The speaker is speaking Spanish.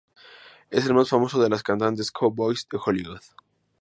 Es el más famoso de los cantantes "cowboys" de Hollywood.